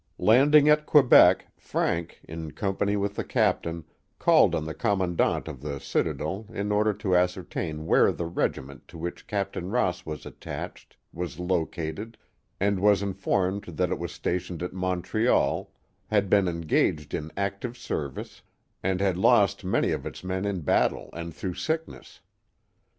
Landing at Quebec, Frank, in company with the captain, called on the commandant of the citadel in order to ascertain x6 342 The Mohawk Valley ^^H where the regiment to which Captain Ross was attacheflnf located, and was informed that it was stationed at Montreal, had been engaged in active service, and had lost many of its men in battle and through sickness.